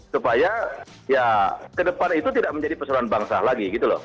supaya ke depan itu tidak menjadi persoalan bangsa lagi